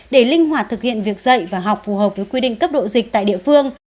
để linh hoạt thực hiện việc dạy và học phù hợp với quy định cấp độ dịch tại địa phương